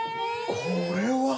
これは！